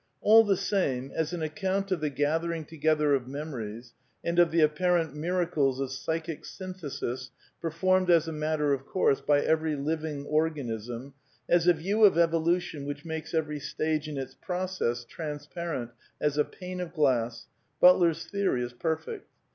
All the same, as an account of the gathering together of memories, and of the apparent miracles of psychic syn thesis performed as a matter of course by every living or ganism, as a view of evolution which makes every stage in its process transparent as a pane of glass, Butler's theory is perfect.